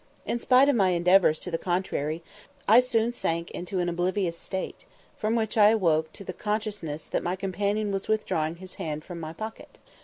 In spite of my endeavours to the contrary, I soon sank into an oblivious state, from which I awoke to the consciousness that my companion was withdrawing his hand from my pocket.